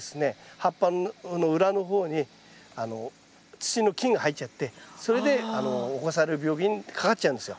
葉っぱの裏の方に土の菌が入っちゃってそれで侵される病気にかかっちゃうんですよ。